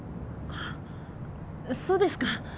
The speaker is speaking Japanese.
あっそうですか。